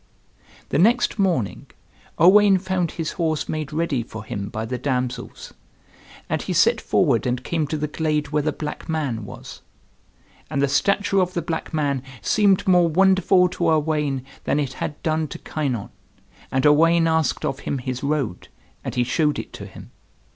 The next morning Owain found his horse made ready for him by the damsels, and he set forward and came to the glade where the black man was. And the stature of the black man seemed more wonderful to Owain than it had done to Kynon; and Owain asked of him his road, and he showed it to him.